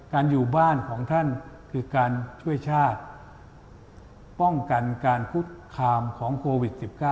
อยู่บ้านของท่านคือการช่วยชาติป้องกันการคุกคามของโควิด๑๙